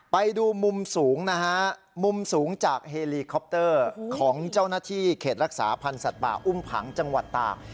ไปดูมุมสูงนะฮะมุมสูงจากเฮลีคอปเตอร์ของเจ้าหน้าที่เขตรักษาพันธ์สัตว์ป่าอุ้มผังจังหวัดตาก